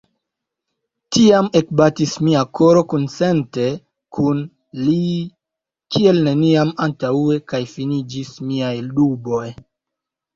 Tiam ekbatis mia koro kunsente kun li kiel neniam antaŭe, kaj finiĝis miaj duboj.